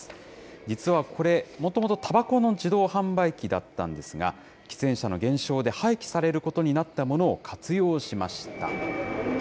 実はこれ、もともとたばこの自動販売機だったんですが、喫煙者の減少で、廃棄されることになったものを活用しました。